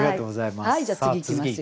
ありがとうございます。